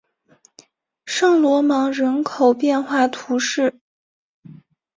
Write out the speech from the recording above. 圣罗芒人口变化图示